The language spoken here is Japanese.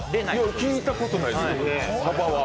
聞いたことないです、鯖は。